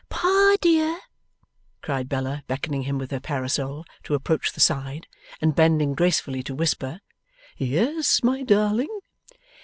'Pa, dear!' cried Bella, beckoning him with her parasol to approach the side, and bending gracefully to whisper. 'Yes, my darling.